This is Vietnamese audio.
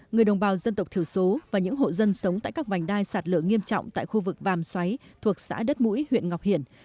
người đồng bào dân tộc thiểu số và những hộ dân sống tại các vành đai sạt lở nghiêm trọng tại khu vực vàm xoáy thuộc xã đất mũi huyện ngọc hiển